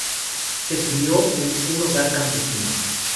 Se crio en un hogar campesino.